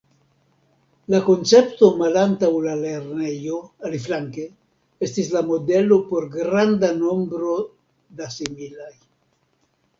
La koncepto malantaŭ la lernejo, aliflanke, estis la modelo por granda nombro da similaj.